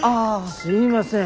すいません。